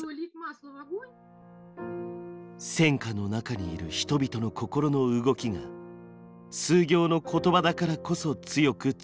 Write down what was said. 戦禍の中にいる人々の心の動きが数行の言葉だからこそ強く伝わる。